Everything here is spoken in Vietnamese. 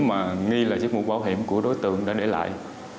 và chiếc mũ bảo hiểm của đối tượng đã để lại